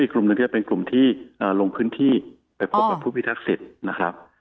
กลุ่มหนึ่งก็จะเป็นกลุ่มที่ลงพื้นที่ไปพบกับผู้พิทักษิตนะครับ